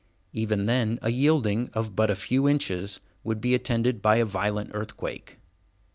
Even then a yielding of but a few inches would be attended by a violent earthquake.